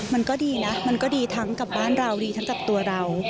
มันก็ดีนะมันก็ดีทั้งกับบ้านเราดีทั้งกับตัวเรา